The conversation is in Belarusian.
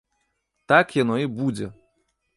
Так яно і будзе!